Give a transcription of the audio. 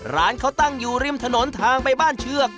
ร้านเขาตั้งอยู่ริมถนนทางไปบ้านเชือก